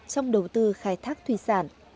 trong đầu tư khai thác thuy sản